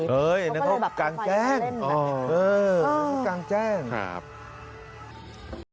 เขาก็เลยแบบเอาไฟมาเล่นแบบนั้นนะครับคือกลางแจ้งครับเอ้ยนั่นเขากลางแจ้ง